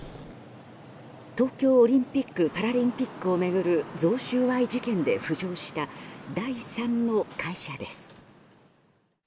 東京オリンピック・パラリンピックを巡る贈収賄事件で浮上した第３の会社です。